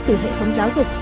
từ hệ thống giáo dục